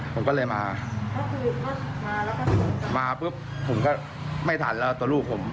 ผมก็เลยมามาปุ๊บผมก็ไม่ทันแล้วตัวลูกผม